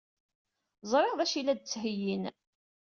Ẓriɣ d acu ay la d-ttheyyin.